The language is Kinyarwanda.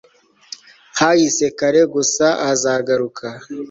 Kahise kare gusa kazagaruka